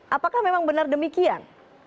apakah memang benar demikian